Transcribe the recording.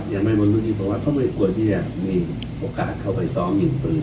ยังไม่บรรลุทิศิภาวะเพราะไม่กลัวที่จะมีโอกาสเข้าไปซ้อมยิงปืน